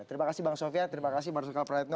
terima kasih bang sofia terima kasih marzuka pradno